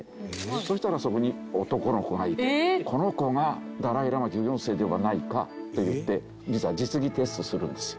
そしたらそこに男の子がいてこの子がダライ・ラマ１４世ではないかといって実は実技テストするんですよ。